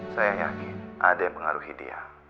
saya yakin ada yang mengaruhi dia